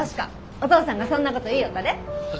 お父さんがそんなこと言いよったで。